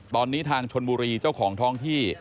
ตอนนี้ทางชนบุรีเจ้าของท้องที่